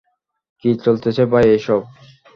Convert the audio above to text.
কি চলতেছে ভাই এইসব?